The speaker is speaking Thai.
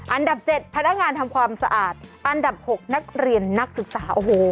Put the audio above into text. อันดับ๗พนักงานทำความสะอาดอันดับ๖นักเรียนนักศึกษาโอ้โห